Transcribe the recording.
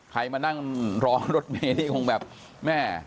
ใครมานั่งรอรถเมย์นี่คงแบบแม่